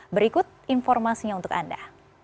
berikut informasinya untuk anda